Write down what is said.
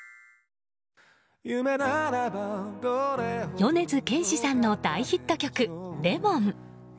米津玄師さんの大ヒット曲「Ｌｅｍｏｎ」。